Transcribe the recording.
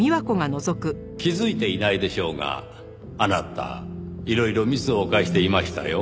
気づいていないでしょうがあなたいろいろミスを犯していましたよ。